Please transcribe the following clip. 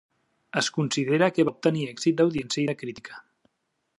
Es considera que va obtenir èxit d'audiència i de crítica.